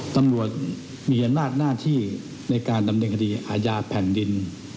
ตำรวจมีอำนาจหน้าที่ในการดำเนินคดีอาญาแผ่นดิน